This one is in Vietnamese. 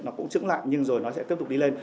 nó cũng trứng lại nhưng rồi nó sẽ tiếp tục đi lên